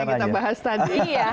ini termasuk yang kita bahas tadi ya